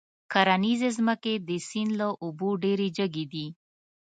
کرنيزې ځمکې د سيند له اوبو ډېرې جګې دي.